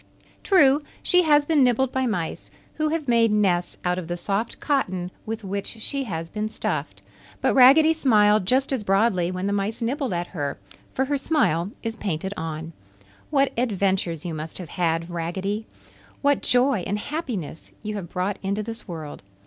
True, she has been nibbled by mice, who have made nests out of the soft cotton with which she has been stuffed, but Raggedy smiled just as broadly when the mice nibbled at her, for her smile is painted on. What adventures you must have had, Raggedy! What joy and happiness you have brought into this world!